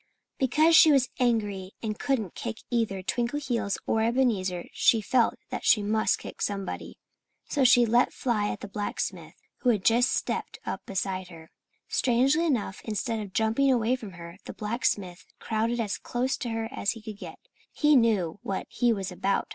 Because she was angry and couldn't kick either Twinkleheels or Ebenezer she felt that she must kick somebody. So she let fly at the blacksmith, who had just stepped up beside her. Strangely enough, instead of jumping away from her, the blacksmith crowded as close to her as he could get. He knew what he was about.